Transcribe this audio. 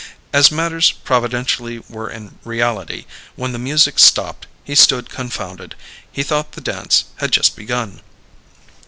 As matters providentially were in reality, when the music stopped he stood confounded: he thought the dance had just begun.